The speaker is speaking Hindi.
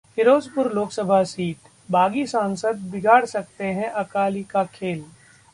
फिरोजपुर लोकसभा सीट: बागी सांसद बिगाड़ सकते हैं अकाली का खेल